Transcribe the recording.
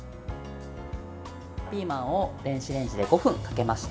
ピーマンを電子レンジで５分かけました。